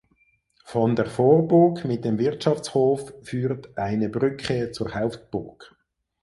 Von der Vorburg mit dem Wirtschaftshof führt eine Brücke zur Hauptburg.